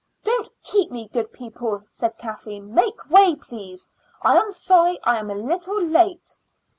Don't keep me, good people," said Kathleen. "Make way, please. I am sorry I am a little late."